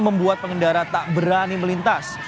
membuat pengendara tak berani melintas